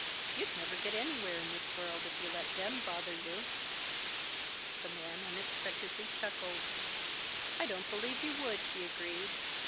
"You'd never get anywhere in this world if you let them bother you." The man unexpectedly chuckled. "I don't believe you would!" he agreed.